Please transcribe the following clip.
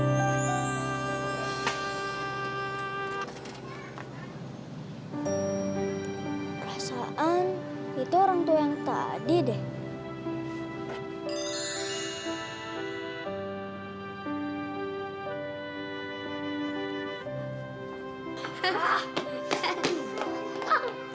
perasaan itu orang tua yang tadi deh